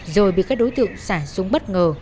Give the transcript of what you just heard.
rồi bị các đối tượng xả súng bất ngờ